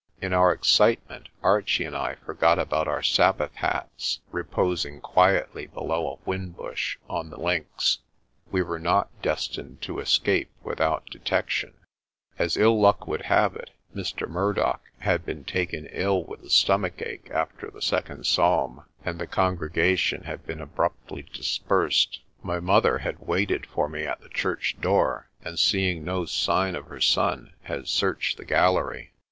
In our excitement Archie and I forgot about our Sabbath hats, reposing quietly below a whin bush on the links. We were not destined to escape without detection. As ill 24 PRESTER JOHN luck would have it, Mr. Murdoch had been taken ill with the stomach ache after the second psalm, and the congrega tion had been abruptly dispersed My mother had waited for me at the church door, and, seeing no signs of her son, had searched the gallery.